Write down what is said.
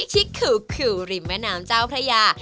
ชิคคือขึวริมน้ำเจ้าพระยา